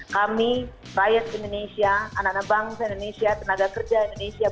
kami rakyat indonesia anak anak bangsa indonesia tenaga kerja indonesia